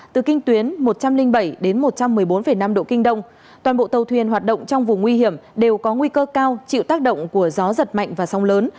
từ kinh tuyến một trăm linh bảy đến một trăm một mươi bốn năm độ kinh đông toàn bộ tàu thuyền hoạt động trong vùng nguy hiểm đều có nguy cơ cao chịu tác động của gió giật mạnh và sóng lớn